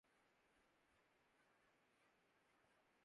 اسی طرح ن لیگ سے خارجہ پالیسی کے ساتھ خزانے کے بارے میں سوال کیا جانا چاہیے۔